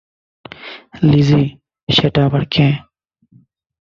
Lessee, সেটা আবার কে?